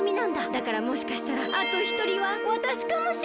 だからもしかしたらあとひとりはわたしかもしれない！